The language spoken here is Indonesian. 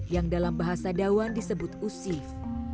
yang dalam bahasa dawan disebut usif